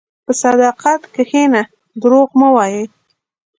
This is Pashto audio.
په صداقت کښېنه، دروغ مه وایې.